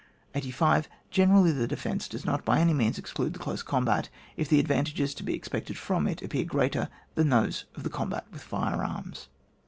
85. Generally, the defence does not by any means exclude the close combat, if the advantages to be expected from it appear greater than those of the combat with fire arms.